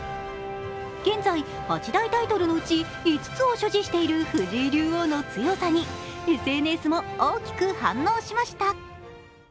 現在、８大タイトルのうち５つを所持している藤井竜王の強さに、ＳＮＳも大きく反応しました。